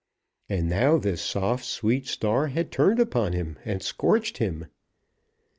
And now this soft, sweet star had turned upon him and scorched him.